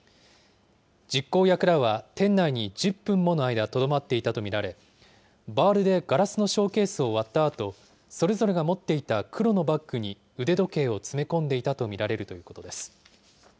実行役らは、店内に１０分もの間とどまっていたと見られ、バールでガラスのショーケースを割ったあと、それぞれが持っていた黒のバッグに、腕時計を詰め込んでいたと見られるということです。